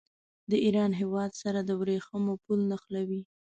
د ایران هېواد سره د ورېښمو پل نښلوي.